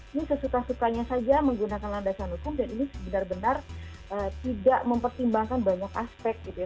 ini sesuka sukanya saja menggunakan landasan hukum dan ini benar benar tidak mempertimbangkan banyak aspek gitu ya